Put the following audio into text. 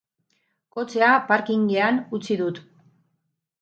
Kotxea parkingean utzi dut.